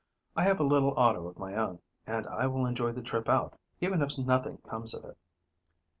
I have a little auto of my own, and I will enjoy the trip out, even if nothing comes of it.